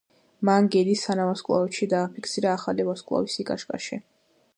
მან გედის თანავარსკვლავედში დააფიქსირა ახალი ვარსკვლავის სიკაშკაშე.